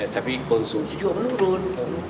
tapi konsumsi juga menurun